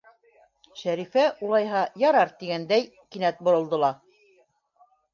Шәрифә улайһа, ярар тигәндәй кинәт боролдо ла: